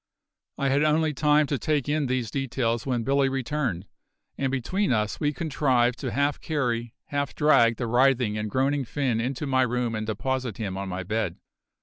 I had only time to take in these details when Billy returned, and between us we contrived to half carry, half drag the writhing and groaning Finn into my room and deposit him on my bed.